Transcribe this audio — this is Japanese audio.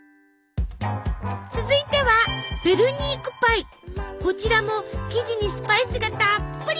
続いてはこちらも生地にスパイスがたっぷり！